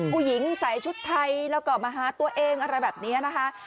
ผู้หญิงใส่ชุดไทยแล้วก็มาหาตัวเองอะไรแบบนี้นะคะ